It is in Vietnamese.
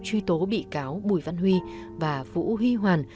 truy tố bị cáo bùi văn huy và vũ huy hoàn